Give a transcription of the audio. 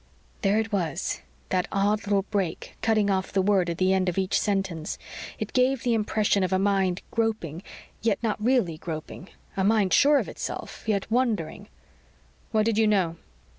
There it was that odd little break, cutting off the word at the end of each sentence. It gave the impression of a mind groping, yet not really groping; a mind sure of itself, yet wondering. "What did you know?"